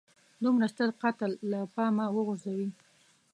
دومره ستر قتل له پامه وغورځوي.